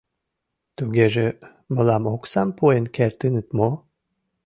Тугеже, мылам оксам пуэн кертыныт мо?